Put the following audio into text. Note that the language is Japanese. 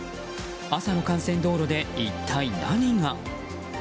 朝の幹線道路で一体何が。